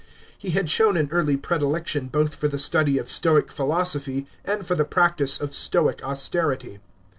He had shown an early predilection both for the study of Stoic philosophy and for the practice of Stoic austerity.